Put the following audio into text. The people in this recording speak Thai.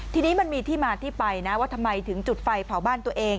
ทีนี้มันมีที่มาที่ไปนะว่าทำไมถึงจุดไฟเผาบ้านตัวเอง